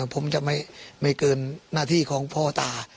ผมจะไม่เกินหน้าที่ของพ่อตา